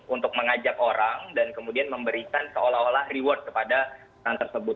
untuk mengajak orang dan kemudian memberikan seolah olah reward kepada orang tersebut